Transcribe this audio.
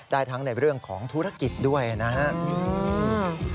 ได้ทั้งในเรื่องของธุรกิจด้วยนะครับ